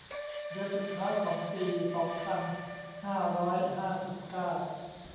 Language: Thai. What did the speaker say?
เดือนสุดท้ายของปี สองพันห้าร้อยห้าสิบเก้า